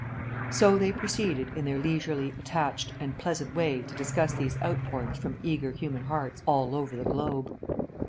So they proceeded in their leisurely, attached, and pleasant way to discuss these outpourings from eager human hearts all over the globe.